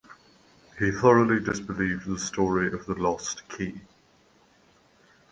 He thoroughly disbelieved the story of the lost key.